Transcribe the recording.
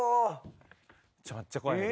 めっちゃ怖いねん。